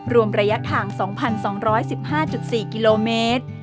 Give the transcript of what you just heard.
รวมระยะทาง๒๒๑๕๔กิโลเมตร